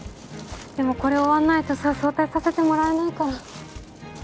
でもこれ終わんないとさ早退させてもらえないから。